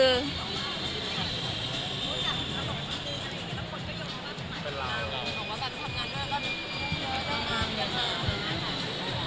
เป็นร้านแล้ว